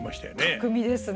巧みですね。